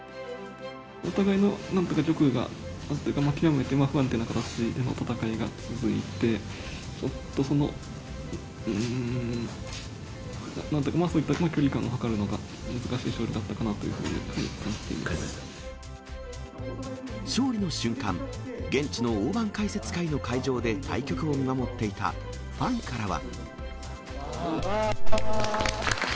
お互いのなんとか玉がなんというか極めて不安定な形での戦いが続いて、ちょっとその、そういった距離感をはかるのが難しい勝利だったかなというふうに勝利の瞬間、現地の大盤解説会の会場で対局を見守っていたファンからは。